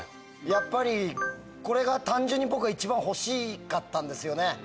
やっぱりこれが単純に僕は一番欲しかったんですよね